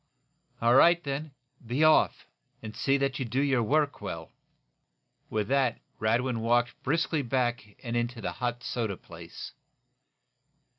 "All right, then! Be off, and see that you do your work well!" With that Radwin walked briskly back and into the hot soda place.